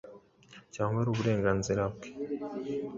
cyangwa ari uburenganzira bwe.